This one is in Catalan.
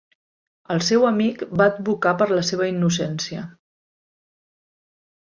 El seu amic va advocar per la seva innocència.